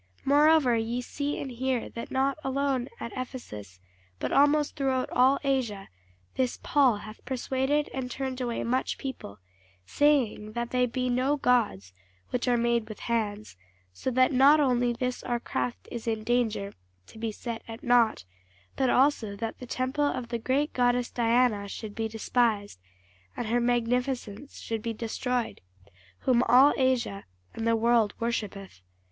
Moreover ye see and hear, that not alone at Ephesus, but almost throughout all Asia, this Paul hath persuaded and turned away much people, saying that they be no gods, which are made with hands: so that not only this our craft is in danger to be set at nought; but also that the temple of the great goddess Diana should be despised, and her magnificence should be destroyed, whom all Asia and the world worshippeth.